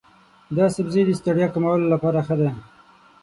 دا سبزی د ستړیا کمولو لپاره ښه دی.